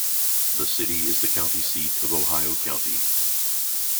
The city is the county seat of Ohio County.